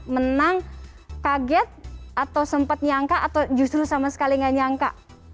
menang kaget atau sempat nyangka atau justru sama sekali nggak nyangka